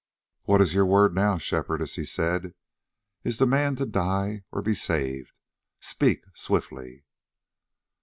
"What is your word now, Shepherdess?" he said. "Is the man to die or be saved? Speak swiftly."